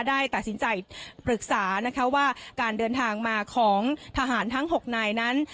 ได้ตัดสินใจปรึกษานะคะว่าการเดินทางมาของทหารทั้ง๖นายนั้น